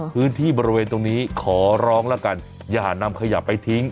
พื้นที่บริเวณตรงนี้ขอร้องแล้วกันอย่านำขยะไปทิ้ง